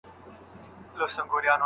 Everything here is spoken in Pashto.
د ميرمني د خوشالېدو سببونه بايد معلوم وي.